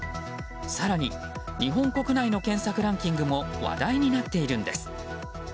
更に日本国内の検索ランキングも話題になっているんです。